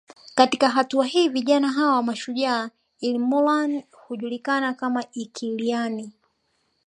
Katika hatua hii vijana hawa mashujaa ilmurran hujulikana kama Ilkiliyani